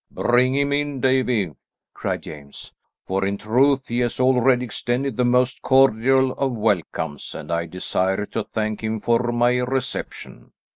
"Bring him in, Davie," cried James; "for in truth he has already extended the most cordial of welcomes, and I desire to thank him for my reception."